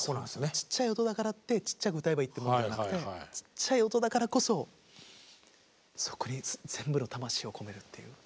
ちっちゃい音だからってちっちゃく歌えばいいってもんじゃなくてちっちゃい音だからこそそこに全部の魂を込めるっていう。